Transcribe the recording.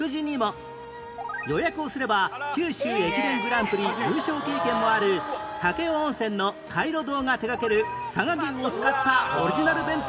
予約をすれば九州駅弁グランプリ優勝経験もある武雄温泉のカイロ堂が手がける佐賀牛を使ったオリジナル弁当を頂けるんです